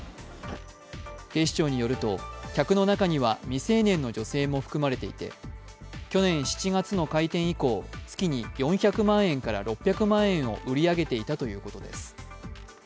警視庁によると、客の中には未成年の女性も含まれていて、去年７月の開店以降、月に４００万円から６００万円を売り上げていたということです。